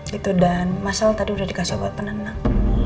gitu dan mas al tadi udah dikasih obat penenang